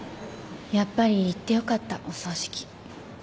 やっぱり行ってよかったお葬式。